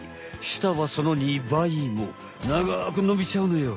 舌はその２倍も長く伸びちゃうのよ。